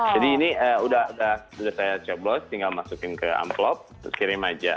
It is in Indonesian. ini udah saya coblos tinggal masukin ke amplop terus kirim aja